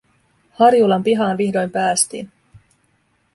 Harjulan pihaan vihdoin päästiin.